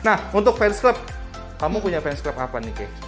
nah untuk fans club kamu punya fans club apa nih kayak